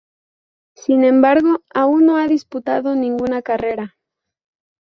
Sin embargo, aún no ha disputado ninguna carrera.